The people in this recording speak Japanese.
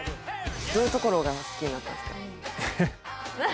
どういうところが好きになったんですか？